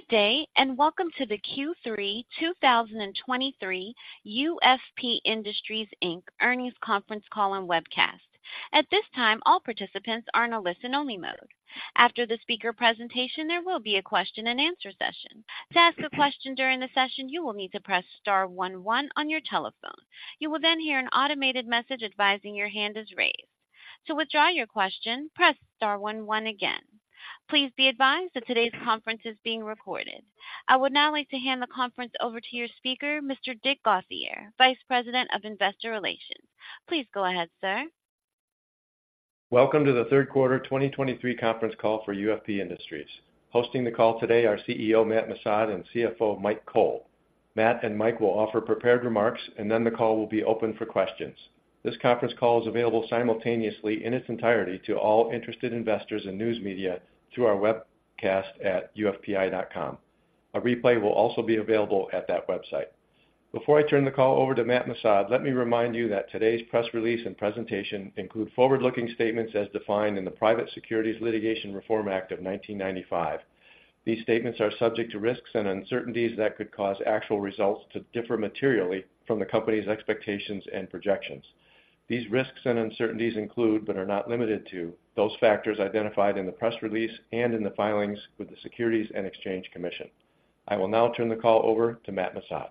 Good day, and welcome to the Q3 2023 UFP Industries, Inc. Earnings Conference Call and Webcast. At this time, all participants are in a listen-only mode. After the speaker presentation, there will be a question-and-answer session. To ask a question during the session, you will need to press star one one on your telephone. You will then hear an automated message advising your hand is raised. To withdraw your question, press star one one again. Please be advised that today's conference is being recorded. I would now like to hand the conference over to your speaker, Mr. Richard Gauthier, Vice President of Investor Relations. Please go ahead, sir. Welcome to the Third Quarter 2023 conference call for UFP Industries. Hosting the call today are CEO, Matt Missad, and CFO, Mike Cole. Matt and Mike will offer prepared remarks, and then the call will be open for questions. This conference call is available simultaneously in its entirety to all interested investors and news media through our webcast at ufpi.com. A replay will also be available at that website. Before I turn the call over to Matt Missad, let me remind you that today's press release and presentation include forward-looking statements as defined in the Private Securities Litigation Reform Act of 1995. These statements are subject to risks and uncertainties that could cause actual results to differ materially from the company's expectations and projections. These risks and uncertainties include, but are not limited to, those factors identified in the press release and in the filings with the Securities and Exchange Commission. I will now turn the call over to Matt Missad.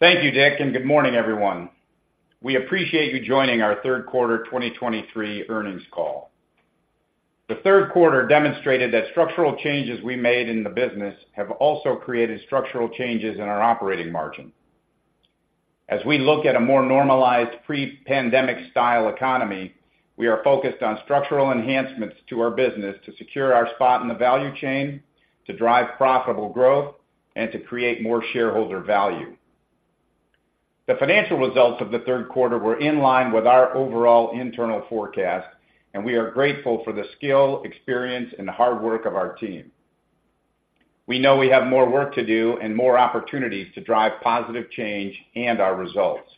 Thank you, Richard, and good morning, everyone. We appreciate you joining our Third Quarter 2023 Earnings Call. The third quarter demonstrated that structural changes we made in the business have also created structural changes in our operating margin. As we look at a more normalized, pre-pandemic style economy, we are focused on structural enhancements to our business to secure our spot in the value chain, to drive profitable growth, and to create more shareholder value. The financial results of the third quarter were in line with our overall internal forecast, and we are grateful for the skill, experience, and hard work of our team. We know we have more work to do and more opportunities to drive positive change and our results.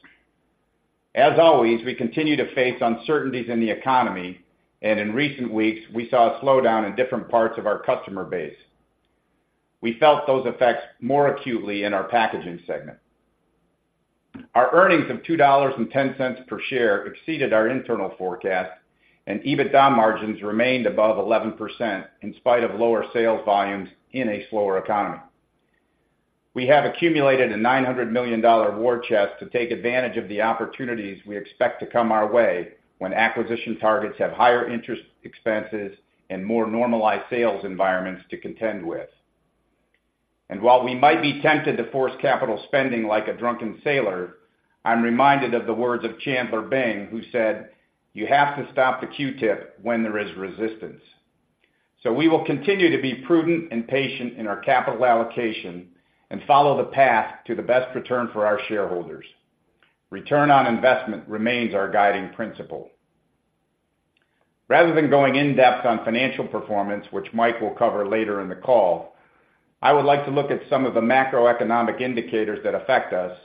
As always, we continue to face uncertainties in the economy, and in recent weeks, we saw a slowdown in different parts of our customer base. We felt those effects more acutely in our packaging segment. Our earnings of $2.10 per share exceeded our internal forecast, and EBITDA margins remained above 11% in spite of lower sales volumes in a slower economy. We have accumulated a $900 million war chest to take advantage of the opportunities we expect to come our way when acquisition targets have higher interest expenses and more normalized sales environments to contend with. And while we might be tempted to force capital spending like a drunken sailor, I'm reminded of the words of Chandler Bing, who said, "You have to stop the Q-tip when there is resistance." So we will continue to be prudent and patient in our capital allocation and follow the path to the best return for our shareholders. Return on investment remains our guiding principle. Rather than going in-depth on financial performance, which Mike will cover later in the call, I would like to look at some of the macroeconomic indicators that affect us,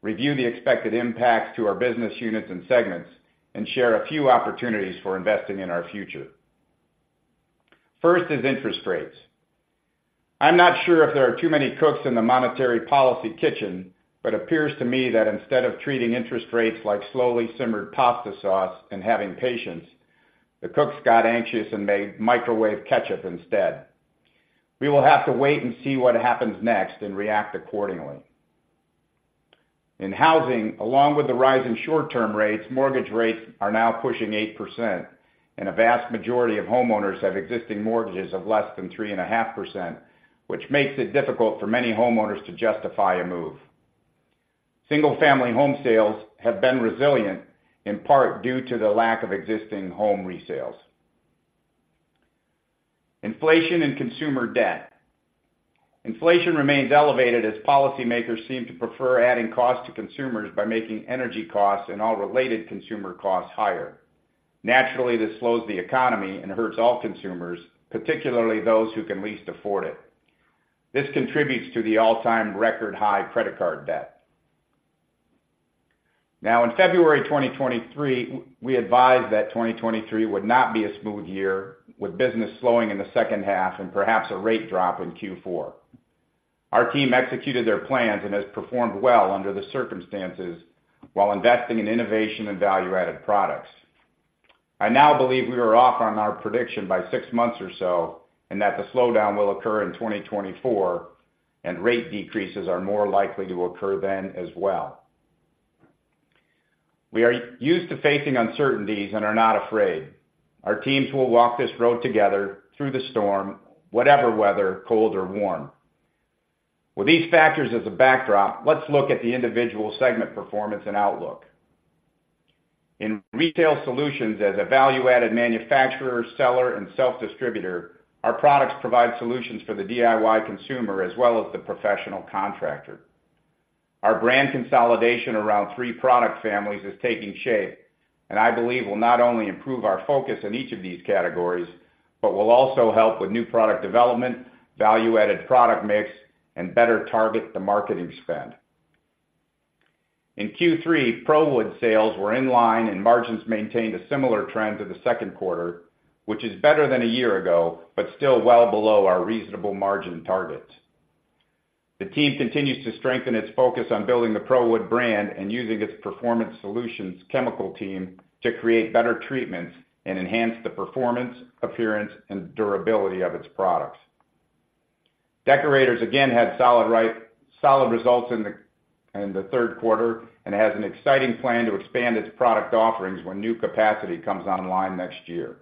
review the expected impacts to our business units and segments, and share a few opportunities for investing in our future. First is interest rates. I'm not sure if there are too many cooks in the monetary policy kitchen, but it appears to me that instead of treating interest rates like slowly simmered pasta sauce and having patience, the cooks got anxious and made microwave ketchup instead. We will have to wait and see what happens next and react accordingly. In housing, along with the rise in short-term rates, mortgage rates are now pushing 8%, and a vast majority of homeowners have existing mortgages of less than 3.5%, which makes it difficult for many homeowners to justify a move. Single-family home sales have been resilient, in part due to the lack of existing home resales. Inflation and consumer debt. Inflation remains elevated as policymakers seem to prefer adding cost to consumers by making energy costs and all related consumer costs higher. Naturally, this slows the economy and hurts all consumers, particularly those who can least afford it. This contributes to the all-time record high credit card debt. Now, in February 2023, we advised that 2023 would not be a smooth year, with business slowing in the second half and perhaps a rate drop in Q4. Our team executed their plans and has performed well under the circumstances while investing in innovation and value-added products. I now believe we were off on our prediction by six months or so, and that the slowdown will occur in 2024, and rate decreases are more likely to occur then as well. We are used to facing uncertainties and are not afraid. Our teams will walk this road together through the storm, whatever weather, cold or warm. With these factors as a backdrop, let's look at the individual segment performance and outlook. In Retail Solutions, as a value-added manufacturer, seller, and self-distributor, our products provide solutions for the DIY consumer as well as the professional contractor. Our brand consolidation around three product families is taking shape, and I believe will not only improve our focus in each of these categories, but will also help with new product development, value-added product mix, and better target the marketing spend. In Q3, ProWood sales were in line, and margins maintained a similar trend to the second quarter, which is better than a year ago, but still well below our reasonable margin targets. The team continues to strengthen its focus on building the ProWood brand and using its performance solutions chemical team to create better treatments and enhance the performance, appearance, and durability of its products. Deckorators, again, had solid results in the third quarter, and has an exciting plan to expand its product offerings when new capacity comes online next year.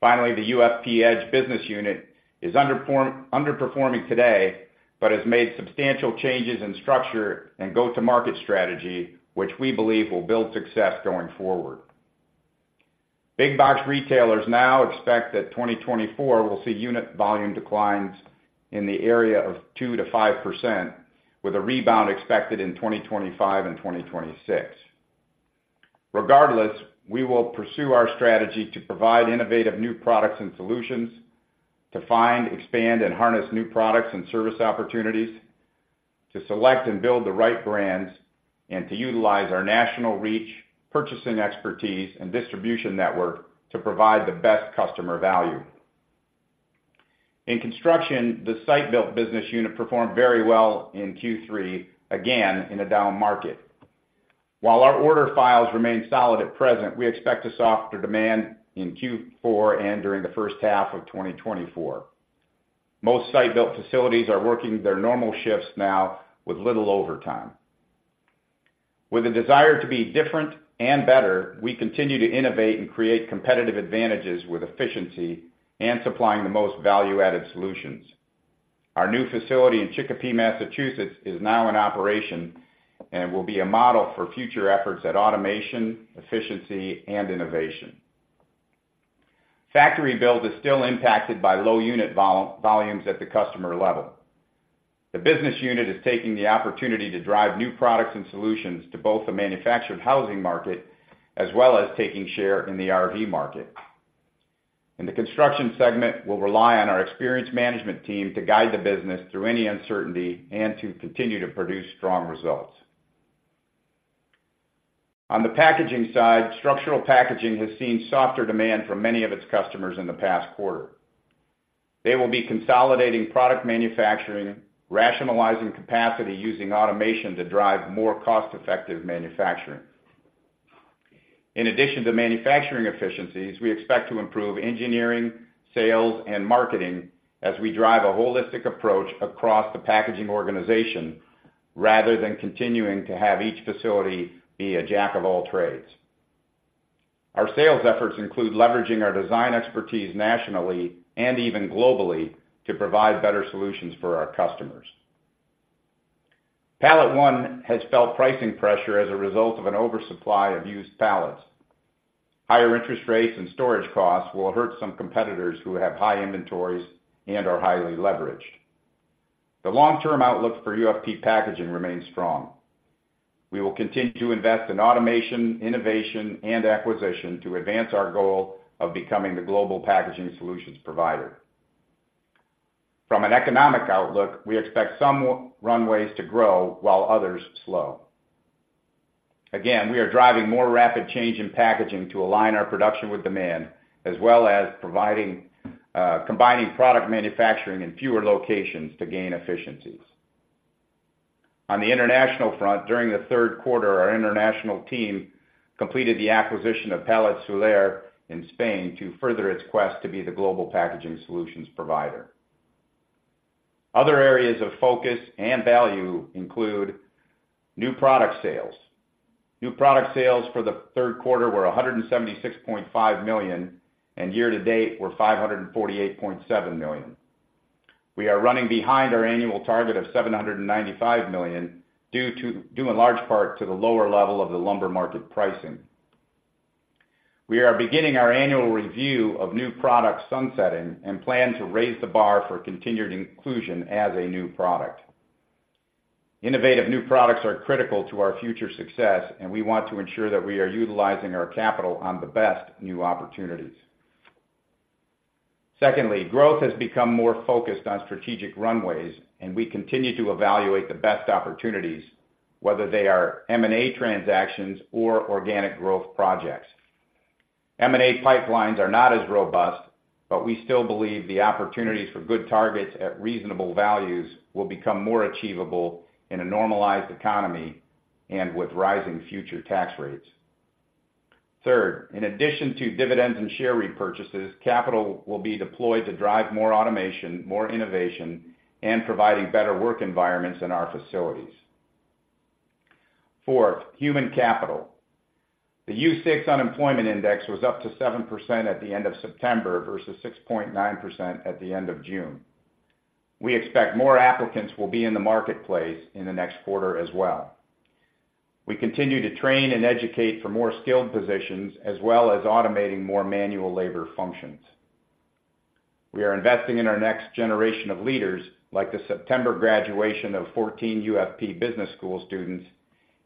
Finally, the UFP Edge business unit is underperforming today, but has made substantial changes in structure and go-to-market strategy, which we believe will build success going forward. Big box retailers now expect that 2024 will see unit volume declines in the area of 2% to 5%, with a rebound expected in 2025 and 2026. Regardless, we will pursue our strategy to provide innovative new products and solutions, to find, expand, and harness new products and service opportunities, to select and build the right brands, and to utilize our national reach, purchasing expertise, and distribution network to provide the best customer value. In construction, the site-built business unit performed very well in Q3, again, in a down market. While our order files remain solid at present, we expect a softer demand in Q4 and during the first half of 2024. Most site-built facilities are working their normal shifts now with little overtime. With a desire to be different and better, we continue to innovate and create competitive advantages with efficiency and supplying the most value-added solutions. Our new facility in Chicopee, Massachusetts, is now in operation and will be a model for future efforts at automation, efficiency, and innovation. Factory-built is still impacted by low unit volumes at the customer level. The business unit is taking the opportunity to drive new products and solutions to both the manufactured housing market, as well as taking share in the RV market. And the construction segment will rely on our experienced management team to guide the business through any uncertainty and to continue to produce strong results. On the packaging side, structural packaging has seen softer demand from many of its customers in the past quarter. They will be consolidating product manufacturing, rationalizing capacity, using automation to drive more cost-effective manufacturing. In addition to manufacturing efficiencies, we expect to improve engineering, sales, and marketing as we drive a holistic approach across the packaging organization, rather than continuing to have each facility be a jack of all trades. Our sales efforts include leveraging our design expertise nationally and even globally, to provide better solutions for our customers. PalletOne has felt pricing pressure as a result of an oversupply of used pallets. Higher interest rates and storage costs will hurt some competitors who have high inventories and are highly leveraged. The long-term outlook for UFP Packaging remains strong. We will continue to invest in automation, innovation, and acquisition to advance our goal of becoming the global packaging solutions provider. From an economic outlook, we expect some runways to grow while others slow. Again, we are driving more rapid change in packaging to align our production with demand, as well as providing, combining product manufacturing in fewer locations to gain efficiencies. On the international front, during the third quarter, our international team completed the acquisition of Palets Suller in Spain to further its quest to be the global packaging solutions provider. Other areas of focus and value include new product sales. New product sales for the third quarter were $176.5 million, and year-to-date were $548.7 million. We are running behind our annual target of $795 million, due in large part to the lower level of the lumber market pricing. We are beginning our annual review of new product sunsetting and plan to raise the bar for continued inclusion as a new product. Innovative new products are critical to our future success, and we want to ensure that we are utilizing our capital on the best new opportunities. Secondly, growth has become more focused on strategic runways, and we continue to evaluate the best opportunities, whether they are M&A transactions or organic growth projects. M&A pipelines are not as robust, but we still believe the opportunities for good targets at reasonable values will become more achievable in a normalized economy and with rising future tax rates. Third, in addition to dividends and share repurchases, capital will be deployed to drive more automation, more innovation, and providing better work environments in our facilities. Fourth, human capital. The U-6 unemployment index was up to 7% at the end of September, versus 6.9% at the end of June. We expect more applicants will be in the marketplace in the next quarter as well. We continue to train and educate for more skilled positions, as well as automating more manual labor functions. We are investing in our next generation of leaders, like the September graduation of 14 UFP Business School students,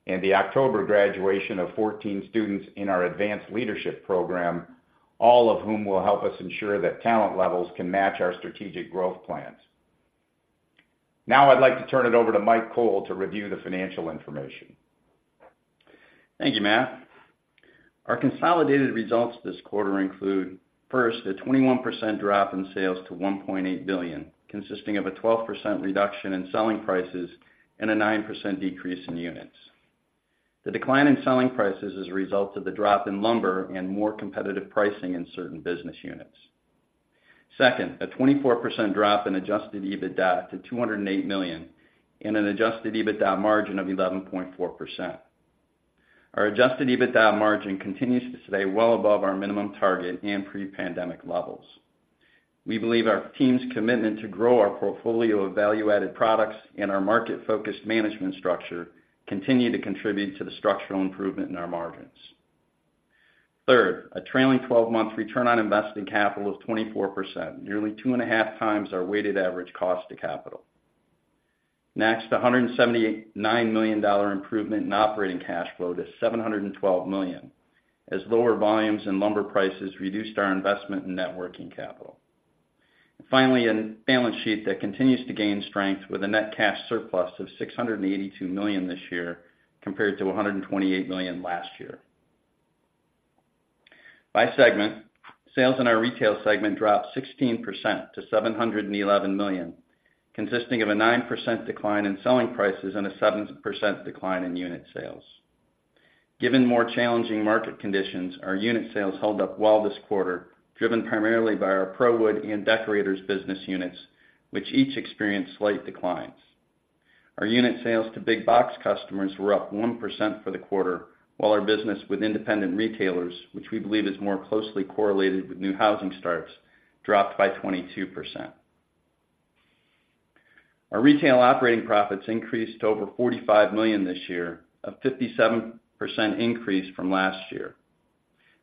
and the October graduation of 14 students in our advanced leadership program, all of whom will help us ensure that talent levels can match our strategic growth plans. Now I'd like to turn it over to Mike Cole to review the financial information. Thank you, Matt. Our consolidated results this quarter include, first, the 21% drop in sales to $1.8 billion, consisting of a 12% reduction in selling prices and a 9% decrease in units. The decline in selling prices is a result of the drop in lumber and more competitive pricing in certain business units. Second, a 24% drop in adjusted EBITDA to $208 million, and an adjusted EBITDA margin of 11.4%. Our adjusted EBITDA margin continues to stay well above our minimum target and pre-pandemic levels. We believe our team's commitment to grow our portfolio of value-added products and our market-focused management structure continue to contribute to the structural improvement in our margins. Third, a trailing twelve-month return on invested capital of 24%, nearly 2.5x our weighted average cost of capital. Next, a $178.9 million improvement in operating cash flow to $712 million, as lower volumes and lumber prices reduced our investment in net working capital. Finally, a balance sheet that continues to gain strength with a net cash surplus of $682 million this year, compared to $128 million last year. By segment, sales in our retail segment dropped 16% to $711 million, consisting of a 9% decline in selling prices and a 7% decline in unit sales. Given more challenging market conditions, our unit sales held up well this quarter, driven primarily by our ProWood and Deckorators business units, which each experienced slight declines. Our unit sales to big box customers were up 1% for the quarter, while our business with independent retailers, which we believe is more closely correlated with new housing starts, dropped by 22%. Our retail operating profits increased to over $45 million this year, a 57% increase from last year.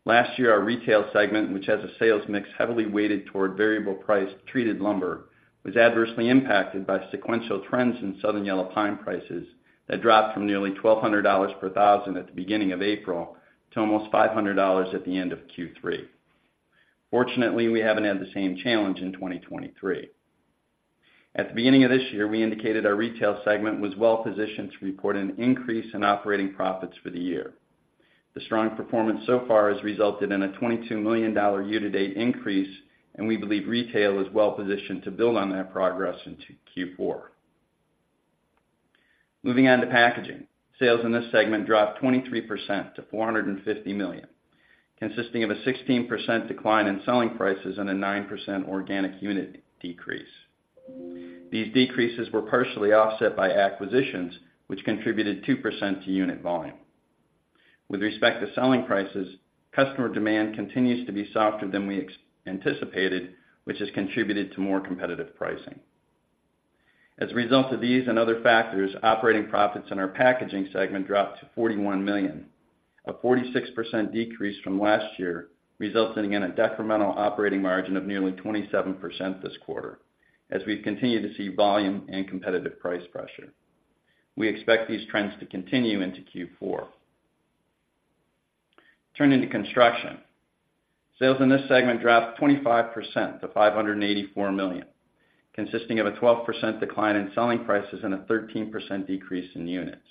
Last year, our retail segment, which has a sales mix heavily weighted toward variable-priced treated lumber, was adversely impacted by sequential trends in Southern Yellow Pine prices that dropped from nearly $1,200 per thousand at the beginning of April to almost $500 at the end of Q3. Fortunately, we haven't had the same challenge in 2023. At the beginning of this year, we indicated our retail segment was well-positioned to report an increase in operating profits for the year. The strong performance so far has resulted in a $22 million year-to-date increase, and we believe retail is well positioned to build on that progress into Q4. Moving on to packaging. Sales in this segment dropped 23% to $450 million, consisting of a 16% decline in selling prices and a 9% organic unit of decrease. These decreases were partially offset by acquisitions, which contributed 2% to unit volume. With respect to selling prices, customer demand continues to be softer than we expected, which has contributed to more competitive pricing. As a result of these and other factors, operating profits in our packaging segment dropped to $41 million, a 46% decrease from last year, resulting in a decremental operating margin of nearly 27% this quarter, as we've continued to see volume and competitive price pressure. We expect these trends to continue into Q4. Turning to construction. Sales in this segment dropped 25% to $584 million, consisting of a 12% decline in selling prices and a 13% decrease in units.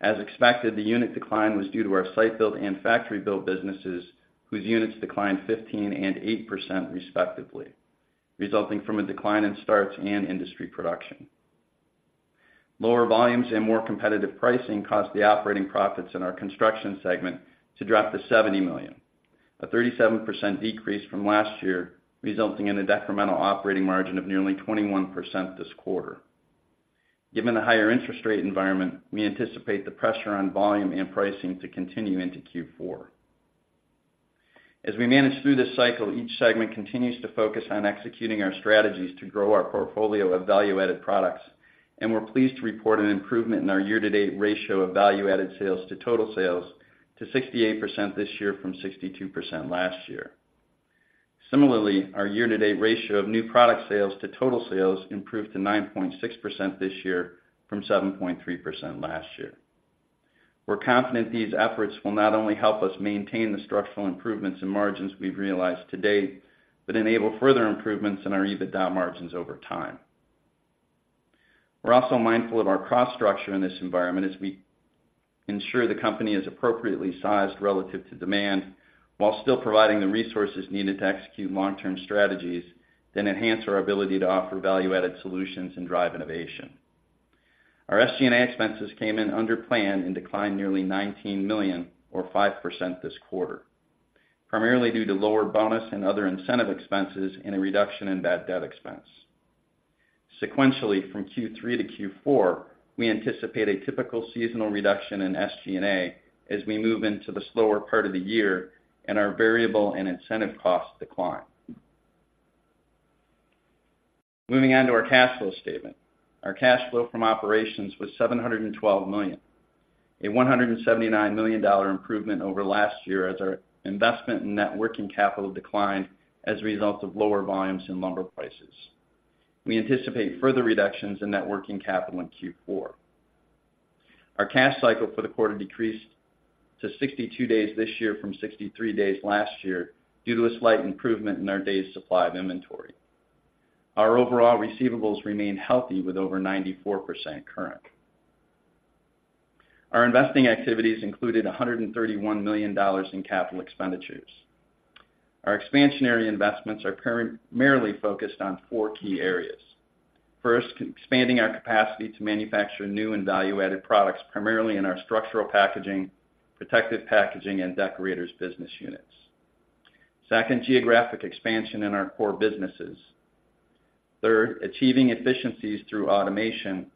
As expected, the unit decline was due to our Site Built and Factory Built businesses, whose units declined 15% and 8%, respectively, resulting from a decline in starts and industry production. Lower volumes and more competitive pricing caused the operating profits in our construction segment to drop to $70 million, a 37% decrease from last year, resulting in a decremental operating margin of nearly 21% this quarter. Given the higher interest rate environment, we anticipate the pressure on volume and pricing to continue into Q4. As we manage through this cycle, each segment continues to focus on executing our strategies to grow our portfolio of value-added products, and we're pleased to report an improvement in our year-to-date ratio of value-added sales to total sales to 68% this year from 62% last year. Similarly, our year-to-date ratio of new product sales to total sales improved to 9.6% this year from 7.3% last year. We're confident these efforts will not only help us maintain the structural improvements in margins we've realized to date, but enable further improvements in our EBITDA margins over time. We're also mindful of our cost structure in this environment as we ensure the company is appropriately sized relative to demand, while still providing the resources needed to execute long-term strategies that enhance our ability to offer value-added solutions and drive innovation. Our SG&A expenses came in under plan and declined nearly $19 million or 5% this quarter, primarily due to lower bonus and other incentive expenses and a reduction in bad debt expense. Sequentially, from Q3 to Q4, we anticipate a typical seasonal reduction in SG&A as we move into the slower part of the year and our variable and incentive costs decline. Moving on to our cash flow statement. Our cash flow from operations was $712 million, a $179 million improvement over last year as our investment in net working capital declined as a result of lower volumes in lumber prices. We anticipate further reductions in net working capital in Q4. Our cash cycle for the quarter decreased to 62 days this year from 63 days last year, due to a slight improvement in our days supply of inventory. Our overall receivables remain healthy, with over 94% current. Our investing activities included $131 million in capital expenditures. Our expansionary investments are currently primarily focused on four key areas. First, expanding our capacity to manufacture new and value-added products, primarily in our structural packaging, protective packaging, and Decorators business units. Second, geographic expansion in our core businesses. Third, achieving efficiencies through automation.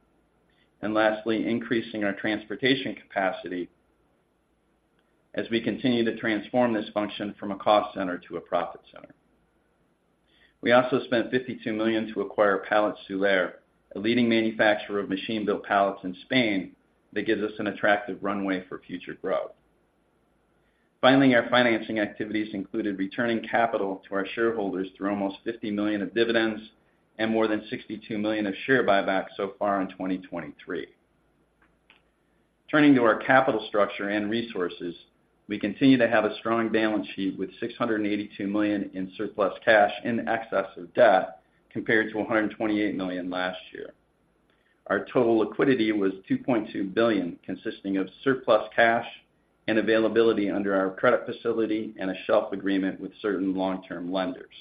And lastly, increasing our transportation capacity as we continue to transform this function from a cost center to a profit center. We also spent $52 million to acquire Palets Suller, a leading manufacturer of machine-built pallets in Spain, that gives us an attractive runway for future growth. Finally, our financing activities included returning capital to our shareholders through almost $50 million of dividends and more than $62 million of share buybacks so far in 2023. Turning to our capital structure and resources, we continue to have a strong balance sheet, with $682 million in surplus cash in excess of debt, compared to $128 million last year. Our total liquidity was $2.2 billion, consisting of surplus cash and availability under our credit facility and a shelf agreement with certain long-term lenders.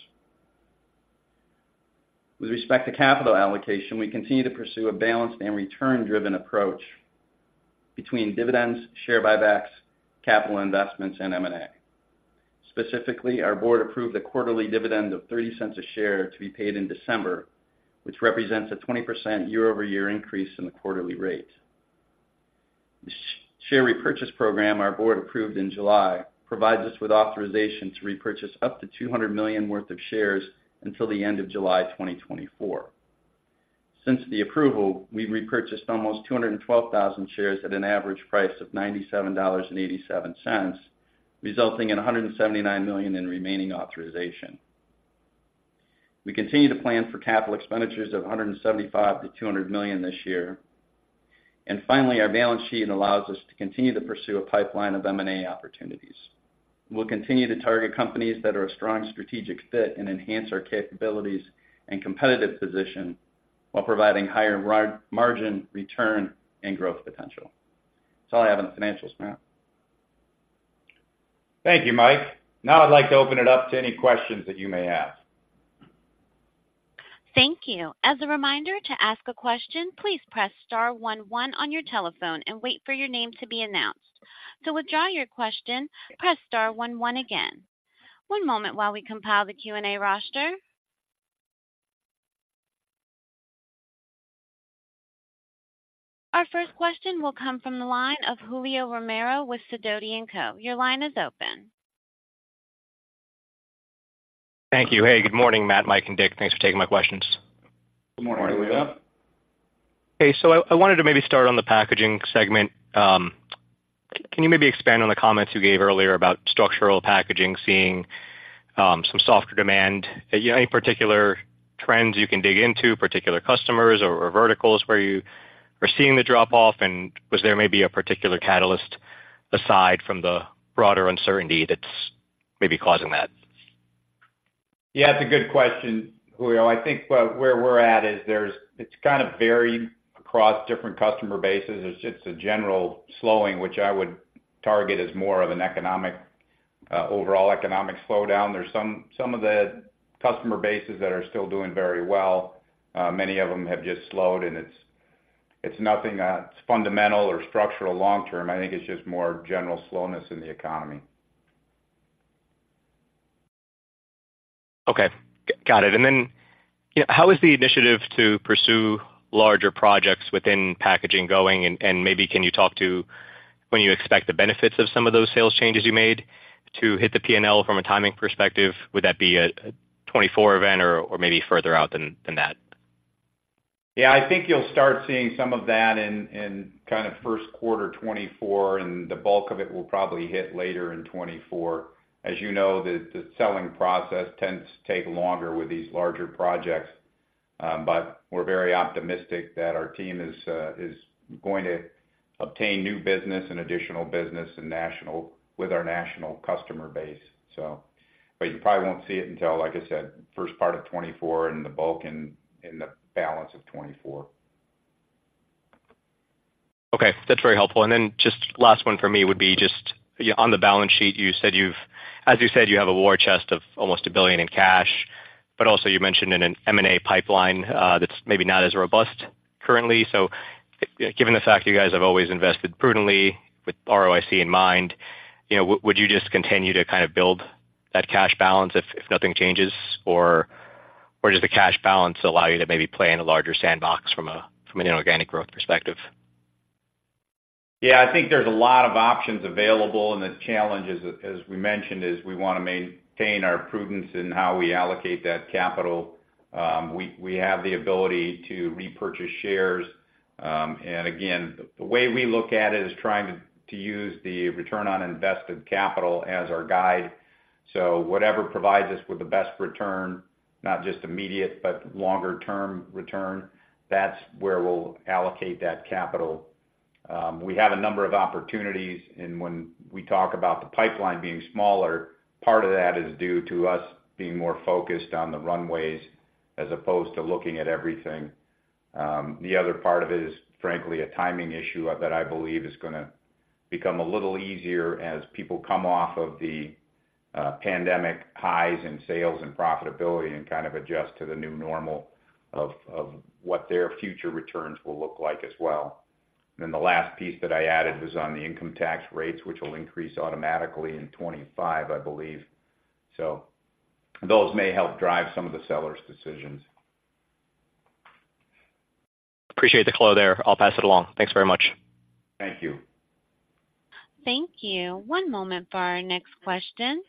With respect to capital allocation, we continue to pursue a balanced and return-driven approach between dividends, share buybacks, capital investments, and M&A. Specifically, our board approved a quarterly dividend of $0.30 a share to be paid in December, which represents a 20% year-over-year increase in the quarterly rate. The share repurchase program our board approved in July provides us with authorization to repurchase up to $200 million worth of shares until the end of July 2024. Since the approval, we've repurchased almost 212,000 shares at an average price of $97.87, resulting in $179 million in remaining authorization. We continue to plan for capital expenditures of $175 million to $200 million this year. Finally, our balance sheet allows us to continue to pursue a pipeline of M&A opportunities. We'll continue to target companies that are a strong strategic fit and enhance our capabilities and competitive position, while providing higher margin, return, and growth potential. That's all I have on the financials, Matt. Thank you, Mike. Now, I'd like to open it up to any questions that you may have. Thank you. As a reminder, to ask a question, please press star one one on your telephone and wait for your name to be announced. To withdraw your question, press star one one again. One moment while we compile the Q&A roster. Our first question will come from the line of Julio Romero with Sidoti & Co. Your line is open. Thank you. Hey, good morning, Matt, Mike, and Richard. Thanks for taking my questions. Good morning, Julio. Good morning. Hey, so I wanted to maybe start on the packaging segment. Can you maybe expand on the comments you gave earlier about structural packaging seeing some softer demand? Any particular trends you can dig into, particular customers or verticals where you are seeing the drop-off? Was there maybe a particular catalyst aside from the broader uncertainty that's maybe causing that? Yeah, it's a good question, Julio. I think where we're at is it's kind of varied across different customer bases. It's just a general slowing, which I would target as more of an economic, overall economic slowdown. There's some of the customer bases that are still doing very well. Many of them have just slowed, and it's nothing fundamental or structural long term. I think it's just more general slowness in the economy. Okay, got it. And then, how is the initiative to pursue larger projects within packaging going? And maybe can you talk to when you expect the benefits of some of those sales changes you made to hit the P&L from a timing perspective? Would that be a 2024 event or maybe further out than that? Yeah, I think you'll start seeing some of that in kind of first quarter 2024, and the bulk of it will probably hit later in 2024. As you know, the selling process tends to take longer with these larger projects, but we're very optimistic that our team is going to obtain new business and additional business with our national customer base. So, but you probably won't see it until, like I said, first part of 2024, and the bulk in the balance of 2024. Okay, that's very helpful. And then just last one for me would be just on the balance sheet, you said you've as you said, you have a war chest of almost $1 billion in cash, but also you mentioned in an M&A pipeline that's maybe not as robust currently. So given the fact you guys have always invested prudently with ROIC in mind, you know, would you just continue to kind of build that cash balance if nothing changes or does the cash balance allow you to maybe play in a larger sandbox from an inorganic growth perspective? Yeah, I think there's a lot of options available, and the challenge is, as we mentioned, is we want to maintain our prudence in how we allocate that capital. We have the ability to repurchase shares. And again, the way we look at it is trying to use the Return on Invested Capital as our guide. So whatever provides us with the best return, not just immediate, but longer term return, that's where we'll allocate that capital. We have a number of opportunities, and when we talk about the pipeline being smaller, part of that is due to us being more focused on the runways as opposed to looking at everything. The other part of it is, frankly, a timing issue that I believe is going to become a little easier as people come off of the pandemic highs in sales and profitability and kind of adjust to the new normal of what their future returns will look like as well. Then the last piece that I added was on the income tax rates, which will increase automatically in 2025, I believe. So those may help drive some of the sellers' decisions. Appreciate the call there. I'll pass it along. Thanks very much. Thank you. Thank you. One moment for our next question.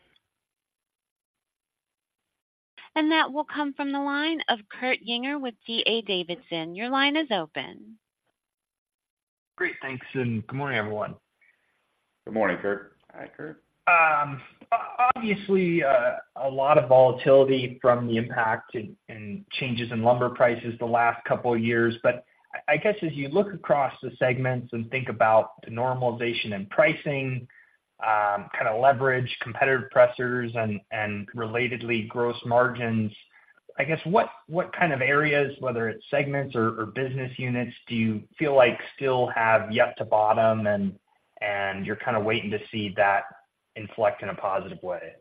That will come from the line of Kurt Yinger with D.A. Davidson. Your line is open. Great. Thanks, and good morning, everyone. Good morning, Kurt. Hi, Kurt. Obviously, a lot of volatility from the impact and changes in lumber prices the last couple of years. But as you look across the segments and think about the normalization in pricing, kind of leverage, competitive pressures, and relatedly, gross margins, what kind of areas, whether it's segments or business units, do you feel like still have yet to bottom, and you're kind of waiting to see that inflect in a positive way?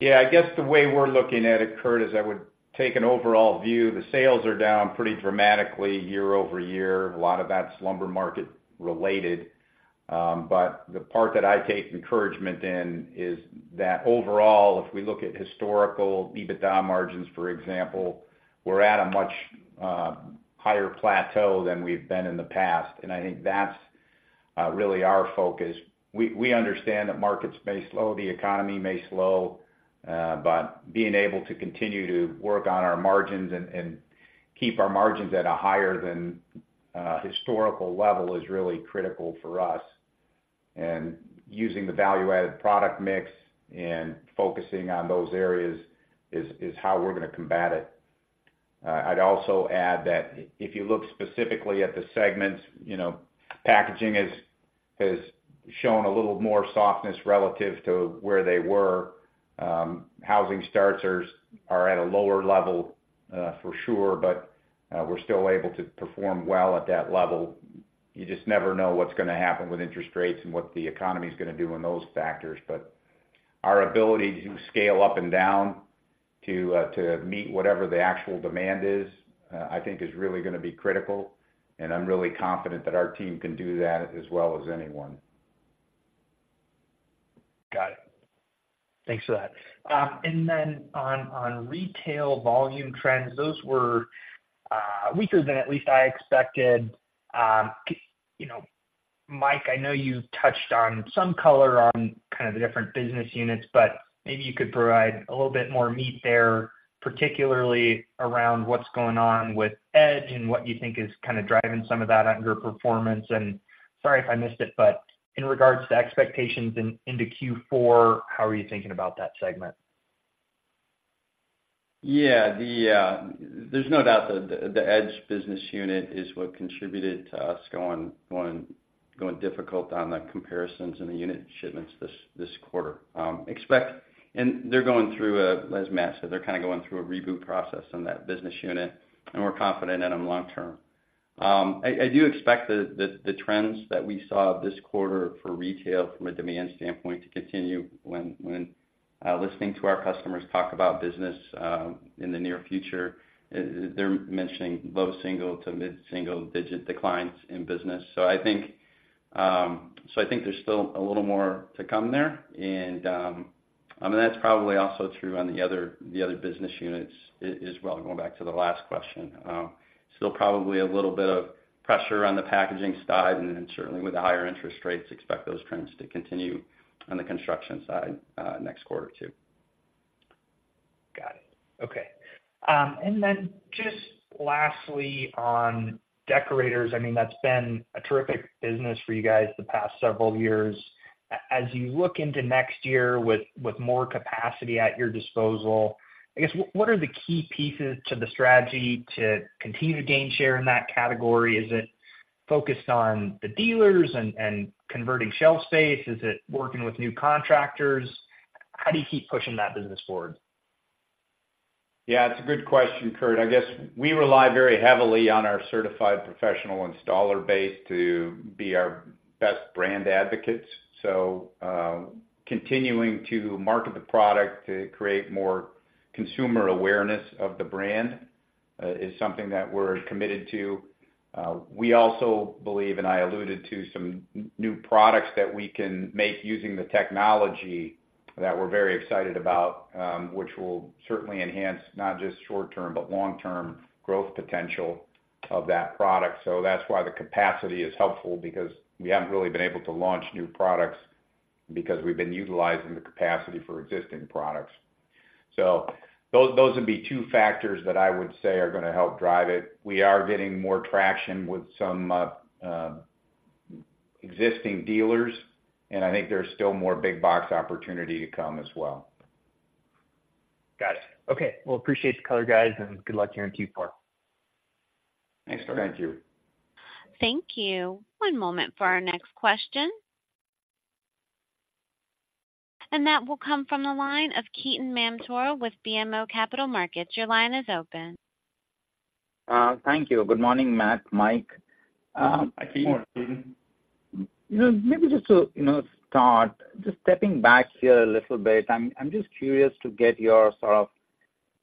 Yeah, the way we're looking at it, Kurt, is I would take an overall view. The sales are down pretty dramatically year-over-year. A lot of that's lumber market related. But the part that I take encouragement in is that overall, if we look at historical EBITDA margins, for example, we're at a much higher plateau than we've been in the past, and I think that's really our focus. We understand that markets may slow, the economy may slow, but being able to continue to work on our margins and keep our margins at a higher than historical level is really critical for us. And using the value-added product mix and focusing on those areas is how we're going to combat it. I'd also add that if you look specifically at the segments, you know, packaging has shown a little more softness relative to where they were. Housing starts are at a lower level, for sure, but we're still able to perform well at that level. You just never know what's going to happen with interest rates and what the economy is going to do on those factors. But our ability to scale up and down to meet whatever the actual demand is, I think is really going to be critical, and I'm really confident that our team can do that as well as anyone. Got it. Thanks for that. And then on, on retail volume trends, those were weaker than at least I expected. You know, Mike, I know you've touched on some color on kind of the different business units, but maybe you could provide a little bit more meat there, particularly around what's going on with Edge and what you think is kind of driving some of that underperformance. And sorry if I missed it, but in regards to expectations into Q4, how are you thinking about that segment? Yeah, there's no doubt that the Edge business unit is what contributed to us going difficult on the comparisons in the unit shipments this quarter. And they're going through, as Matt said, they're kind of going through a reboot process in that business unit, and we're confident in them long term. I do expect the trends that we saw this quarter for retail from a demand standpoint to continue. When listening to our customers talk about business in the near future, they're mentioning low single- to mid-single-digit declines in business. So I think, so I think there's still a little more to come there. And I mean, that's probably also true on the other business units as well, going back to the last question. Still probably a little bit of pressure on the packaging side, and then certainly with the higher interest rates, expect those trends to continue on the construction side, next quarter, too. Got it. Okay. And then just lastly, on Decorators, I mean, that's been a terrific business for you guys the past several years. As you look into next year with more capacity at your disposal, what are the key pieces to the strategy to continue to gain share in that category? Is it focused on the dealers and converting shelf space? Is it working with new contractors? How do you keep pushing that business forward? Yeah, it's a good question, Kurt. We rely very heavily on our certified professional installer base to be our best brand advocates. So, continuing to market the product to create more consumer awareness of the brand, is something that we're committed to. We also believe, and I alluded to some new products that we can make using the technology, that we're very excited about, which will certainly enhance not just short-term, but long-term growth potential of that product. So that's why the capacity is helpful, because we haven't really been able to launch new products because we've been utilizing the capacity for existing products. So those would be two factors that I would say are going to help drive it. We are getting more traction with some existing dealers, and I think there's still more big box opportunity to come as well. Got it. Okay, well, appreciate the color, guys, and good luck here in Q4. Thanks, Kurt. Thank you. Thank you. One moment for our next question. That will come from the line of Ketan Mamtora with BMO Capital Markets. Your line is open. Thank you. Good morning, Matt, Mike. Hi, Ketan. Good morning, Ketan. You know, maybe just to, you know, start, just stepping back here a little bit, I'm just curious to get your sort of,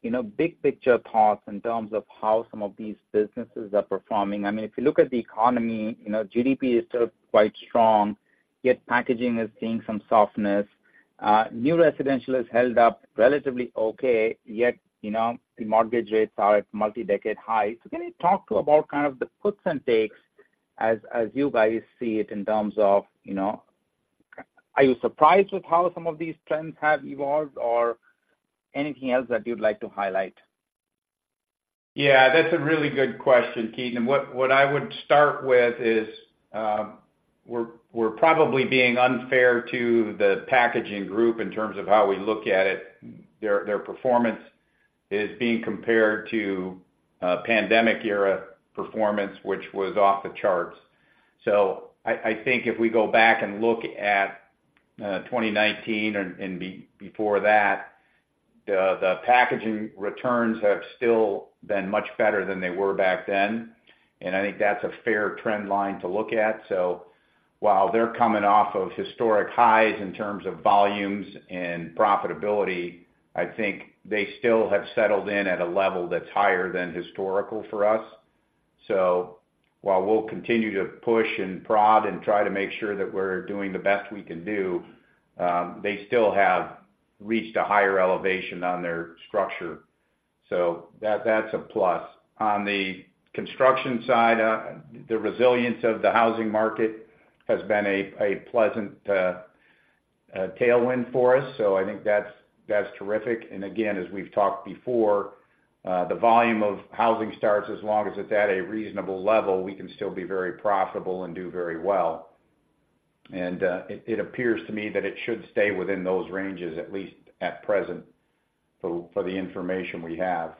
you know, big picture thoughts in terms of how some of these businesses are performing. I mean, if you look at the economy, you know, GDP is still quite strong, yet packaging is seeing some softness. New residential has held up relatively okay, yet, you know, the mortgage rates are at multi-decade highs. So can you talk to about kind of the puts and takes as you guys see it, in terms of, you know, are you surprised with how some of these trends have evolved, or anything else that you'd like to highlight? Yeah, that's a really good question, Ketan. And what I would start with is, we're probably being unfair to the packaging group in terms of how we look at it. Their performance is being compared to pandemic-era performance, which was off the charts. So I think if we go back and look at 2019 and before that, the packaging returns have still been much better than they were back then, and I think that's a fair trend line to look at. So while they're coming off of historic highs in terms of volumes and profitability, I think they still have settled in at a level that's higher than historical for us. So while we'll continue to push and prod and try to make sure that we're doing the best we can do, they still have reached a higher elevation on their structure, so that's a plus. On the construction side, the resilience of the housing market has been a pleasant tailwind for us, so I think that's terrific. And again, as we've talked before, the volume of housing starts, as long as it's at a reasonable level, we can still be very profitable and do very well. And it appears to me that it should stay within those ranges, at least at present, for the information we have.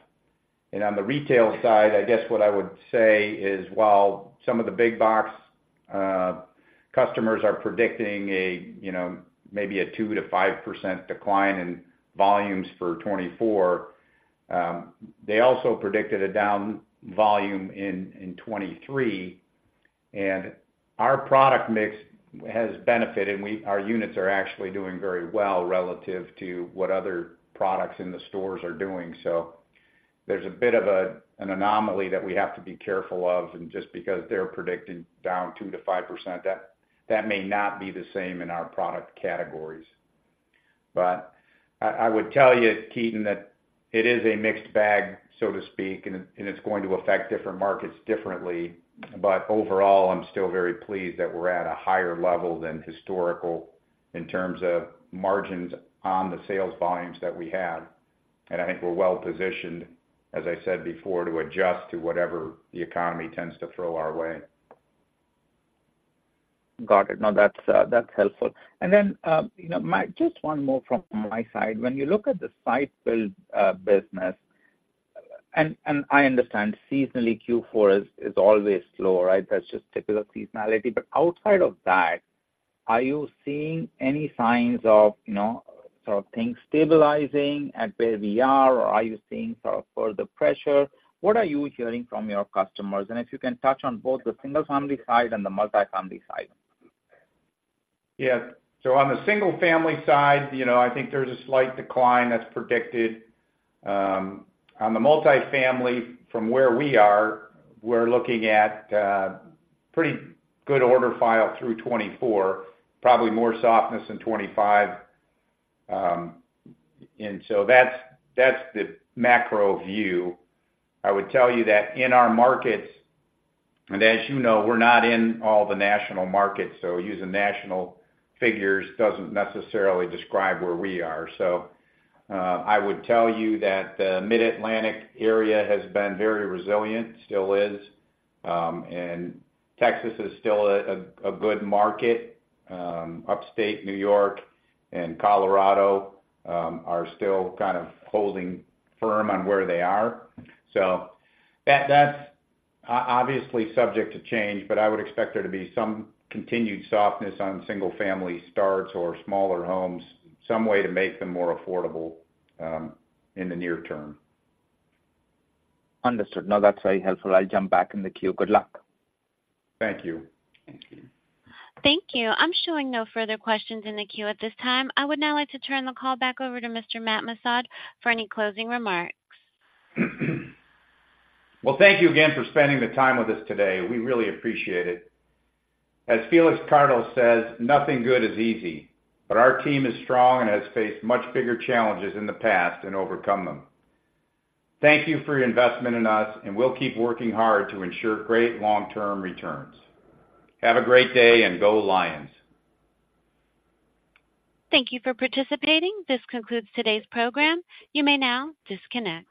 On the retail side, what I would say is, while some of the big box customers are predicting a, you know, maybe a 2%-5% decline in volumes for 2024, they also predicted a down volume in 2023. Our product mix has benefited, and our units are actually doing very well relative to what other products in the stores are doing. So there's a bit of an anomaly that we have to be careful of, and just because they're predicting down 2% to 5%, that may not be the same in our product categories. But I would tell you, Ketan, that it is a mixed bag, so to speak, and it's going to affect different markets differently. Overall, I'm still very pleased that we're at a higher level than historical in terms of margins on the sales volumes that we have. I think we're well positioned, as I said before, to adjust to whatever the economy tends to throw our way. Got it. No, that's, that's helpful. And then, you know, Matt, just one more from my side. When you look at the site-built business, and I understand seasonally, Q4 is always slow, right? That's just typical seasonality. But outside of that, are you seeing any signs of, you know, sort of things stabilizing at where we are, or are you seeing sort of further pressure? What are you hearing from your customers? And if you can touch on both the single family side and the multifamily side. Yes. So on the single family side, you know, I think there's a slight decline that's predicted. On the multifamily, from where we are, we're looking at pretty good order file through 2024, probably more softness in 2025. And so that's the macro view. I would tell you that in our markets, and as you know, we're not in all the national markets, so using national figures doesn't necessarily describe where we are. So I would tell you that the Mid-Atlantic area has been very resilient, still is, and Texas is still a good market. Upstate New York and Colorado are still kind of holding firm on where they are. So that's obviously subject to change, but I would expect there to be some continued softness on single-family starts or smaller homes, some way to make them more affordable, in the near term. Understood. No, that's very helpful. I'll jump back in the queue. Good luck. Thank you. Thank you. Thank you. I'm showing no further questions in the queue at this time. I would now like to turn the call back over to Mr. Matt Missad for any closing remarks. Well, thank you again for spending the time with us today. We really appreciate it. As Felix Cardo says, "Nothing good is easy," but our team is strong and has faced much bigger challenges in the past and overcome them. Thank you for your investment in us, and we'll keep working hard to ensure great long-term returns. Have a great day, and go Lions! Thank you for participating. This concludes today's program. You may now disconnect.